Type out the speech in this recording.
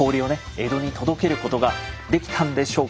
江戸に届けることができたんでしょうか。